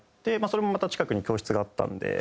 それもまた近くに教室があったんで。